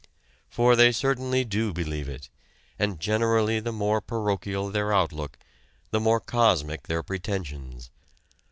For they certainly do believe it, and generally the more parochial their outlook, the more cosmic their pretensions.